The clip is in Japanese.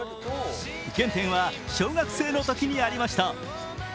原点は小学生のときにありました。